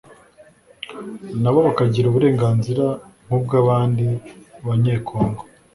nabo bakagira uburenganzira nk'ubw'abandi Banye-Congo